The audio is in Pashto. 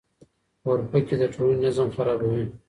اورپکي د ټولنې نظم خرابوي.